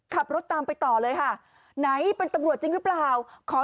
ขับรถตามไปต่อเลยค่ะไหนเป็นตำรวจจริงหรือเปล่าขอ